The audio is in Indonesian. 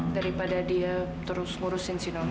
daripada dia terus ngurusin si nona